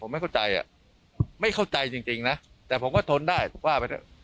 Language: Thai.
ผมไม่เข้าใจอ่ะไม่เข้าใจจริงนะแต่ผมก็ทนได้ผมว่าไปเถอะ